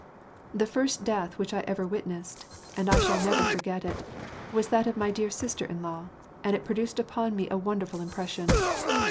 The first death which I ever witnessed — and 1 shall never foi^t it — was that of my dear sister in law, and it produced upon me a wonderful impression.